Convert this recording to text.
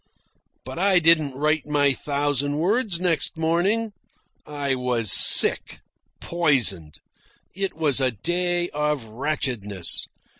But I didn't write my thousand words next morning. I was sick, poisoned. It was a day of wretchedness.